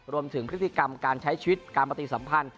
รวมถึงพฤติกรรมการใช้ชีวิตการปฏิสัมพันธ์